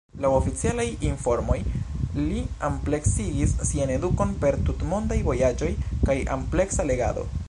Laŭ oficialaj informoj li ampleksigis sian edukon per tutmondaj vojaĝoj kaj ampleksa legado.